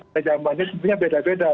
pejamannya sebenarnya beda beda